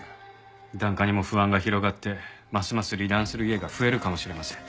檀家にも不安が広がってますます離檀する家が増えるかもしれません。